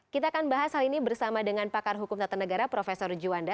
kita akan bahas hal ini bersama dengan pakar hukum tata negara prof juwanda